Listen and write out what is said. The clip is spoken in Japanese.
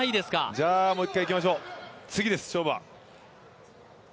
じゃあ、もう１回いきましょう、次です、勝負は。